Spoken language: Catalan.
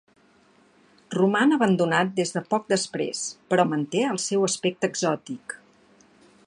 Roman abandonat des de poc després, però manté el seu aspecte exòtic.